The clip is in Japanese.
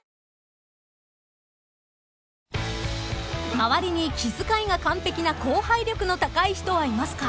［周りに気遣いが完璧な後輩力の高い人はいますか？］